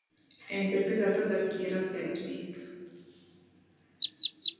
È interpretata da Kyra Sedgwick.